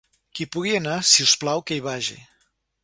Qui pugui anar, si us plau que hi vagi.